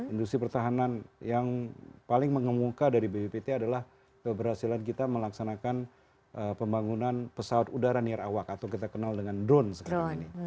industri pertahanan yang paling mengemuka dari bppt adalah keberhasilan kita melaksanakan pembangunan pesawat udara nia awak atau kita kenal dengan drone sekarang ini